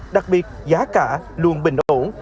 đặc biệt giá cả luôn bình ổn